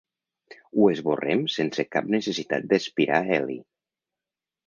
Ho esborrem sense cap necessitat d'aspirar heli.